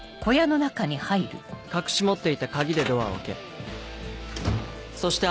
隠し持っていた鍵でドアを開けそして